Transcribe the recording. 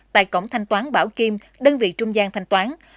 tại cổng thanh toán bảo kim đơn vị trung gian thanh toán